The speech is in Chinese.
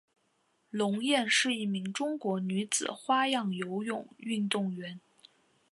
龙艳是一名中国女子花样游泳运动员。